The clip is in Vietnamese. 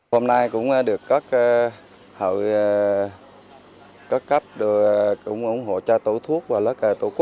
hôm nay cũng được các hội cấp ủng hộ cho tổ thuốc